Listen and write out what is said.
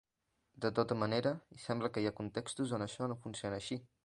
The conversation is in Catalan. De tota manera, sembla que hi ha contextos on això no funciona així.